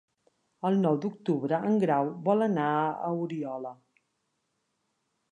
El nou d'octubre en Grau vol anar a Oriola.